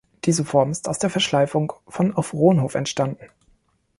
Diese Form ist aus der Verschleifung von „auf Ronhof“ entstanden.